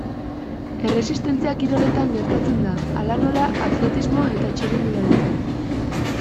Erresistentzia-kiroletan gertatzen da, hala nola atletismo eta txirrindularitzan.